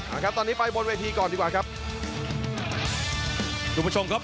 เอาครับตอนนี้ไปบนเวทีก่อนดีกว่าครับคุณผู้ชมครับ